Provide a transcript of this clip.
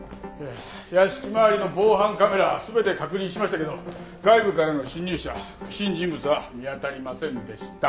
屋敷周りの防犯カメラ全て確認しましたけど外部からの侵入者不審人物は見当たりませんでした。